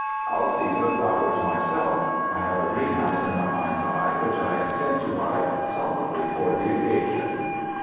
I'll see to the flowers myself ; I have a greenhouse in my mind's eye which I intend to buy solidly for the occasion."